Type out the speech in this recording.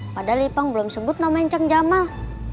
padahal ipang belum sebut namanya ceng jamal